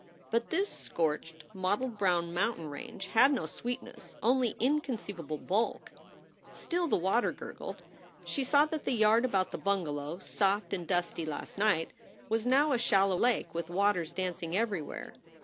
But this scorched, mottled brown mountain range had no sweetness, only inconceivable bulk. Still the vrater gurgled. She saw that the yard about the bungalow, soft and dusty last night, was now a shallow lake with waters dancing everywhere.